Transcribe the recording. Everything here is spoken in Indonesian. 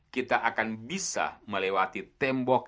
kita akan bisa melewati tembok